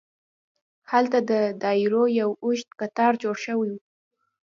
هلته د دارو یو اوږد قطار جوړ شو.